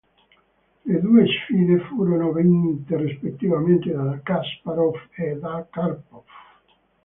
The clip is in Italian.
Le due sfide furono vinte rispettivamente da Kasparov e da Karpov.